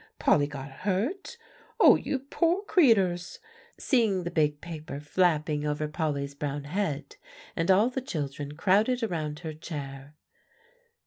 Polly got hurt? Oh, you poor creeters!" seeing the big paper flapping over Polly's brown head, and all the children crowded around her chair.